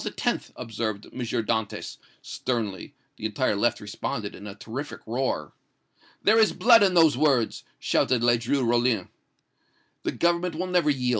observed M. Dantès, sternly. The entire left responded in a terrific roar. "'There is blood in those words!' shouted Ledru Rollin. "'The Government will never yield!'